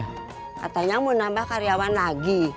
katanya mau nambah karyawan lagi